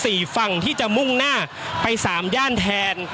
สี่ฝั่งที่จะมุ่งหน้าไปสามย่านแทน